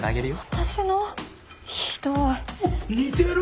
私のひどい。おっ似てる！